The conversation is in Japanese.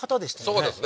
そうですね